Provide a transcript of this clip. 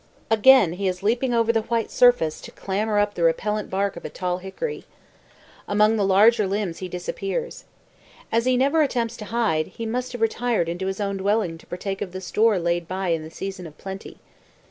Again he is leaping over the white surface to clamber up the repellent bark of a tall hickory. Among the larger limbs he disappears. As he never attempts to hide, he must have retired into his own dwelling to partake of the store laid by in the season of plenty.